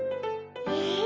え